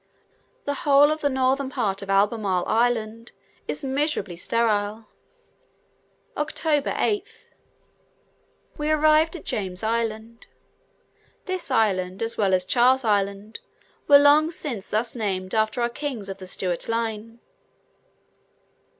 The whole of this northern part of Albemarle Island is miserably sterile. October 8th. We arrived at James Island: this island, as well as Charles Island, were long since thus named after our kings of the Stuart line.